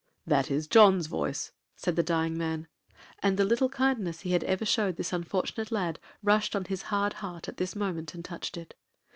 'That is John's voice,' said the dying man; and the little kindness he had ever shewed this unfortunate lad rushed on his hard heart at this moment, and touched it.